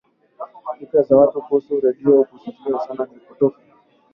fikra za watu kuhusu redio kutosikilizwa sana ni potofu